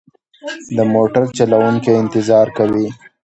د موټر چلوونکی انتظار کوي.